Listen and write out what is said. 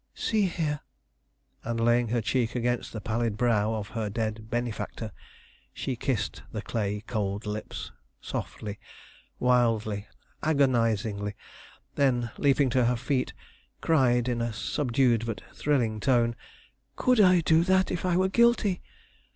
"See here," and laying her cheek against the pallid brow of her dead benefactor, she kissed the clay cold lips softly, wildly, agonizedly, then, leaping to her feet, cried, in a subdued but thrilling tone: "Could I do that if I were guilty?